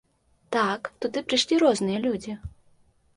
Так, туды прыйшлі розныя людзі.